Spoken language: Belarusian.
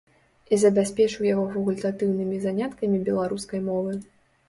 І забяспечыў яго факультатыўнымі заняткамі беларускай мовы.